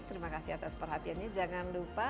terima kasih atas perhatiannya jangan lupa